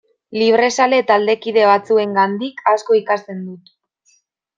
Librezale taldekide batzuengandik asko ikasten dut.